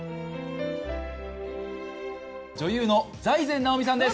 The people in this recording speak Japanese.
女優の財前直見さんです。